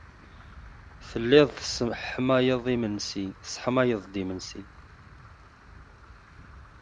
Tellid tesseḥmayed-d imensi.